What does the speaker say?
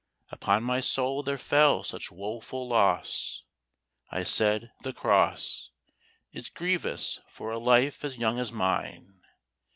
Upon my soul there fell such woeful loss, I said, "The Cross Is grievous for a life as young as mine."